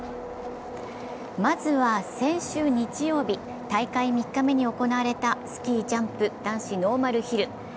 まずは先週日曜日、大会３日目に行われたスキージャンプ男子ノーマルヒル。